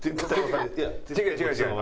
違う違う違う！